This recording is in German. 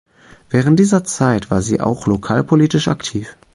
Während dieser Zeit war sie auch lokalpolitisch aktiv.